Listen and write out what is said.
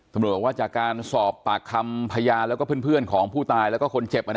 บอกว่าจากการสอบปากคำพยานแล้วก็เพื่อนของผู้ตายแล้วก็คนเจ็บ